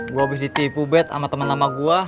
gue abis ditipu bet sama temen nama gue